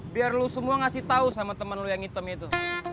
biar lo semua ngasih tahu sama temen lu yang hitam itu